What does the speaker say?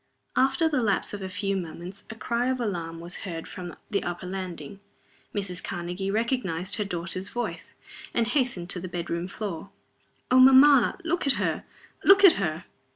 After the lapse of a few moments a cry of alarm was heard from the upper landing. Mrs. Karnegie recognized her daughter's voice, and hastened to the bedroom floor. "Oh, mamma! Look at her! look at her!"